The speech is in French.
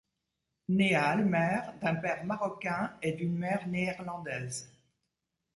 Né à Almere d'un père marocain et d'une mère néerlandaise.